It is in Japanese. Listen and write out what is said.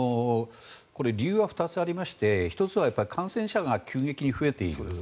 理由は２つありまして１つは感染者が急激に増えている。